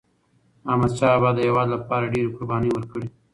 احمدشاه بابا د هیواد لپاره ډيري قربانی ورکړي.